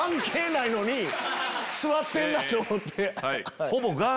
座ってるなと思って。